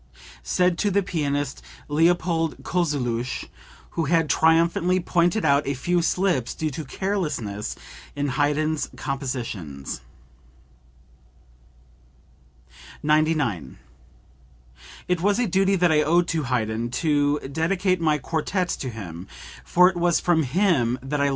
(Said to the pianist Leopold Kozeluch who had triumphantly pointed out a few slips due to carelessness in Haydn's compositions.) 99. "It was a duty that I owed to Haydn to dedicate my quartets to him; for it was from him that I learned how to write quartets."